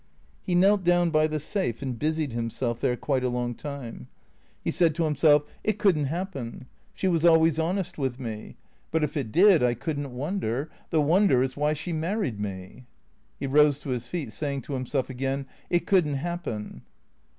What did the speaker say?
He knelt down by the safe and busied him self there quite a long time. He said to himself, " It could n't THECKEATOES 493 happen. She was always honest with me. But if it did I could n't wonder. The wonder is why she married me." He rose to his feet, saying to himself again, " It could n't happen."